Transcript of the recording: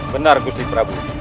benar gusti prabu